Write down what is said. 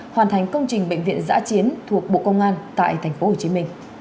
hoàn thành công trình bệnh viện giã chiến thuộc bộ công an tại tp hcm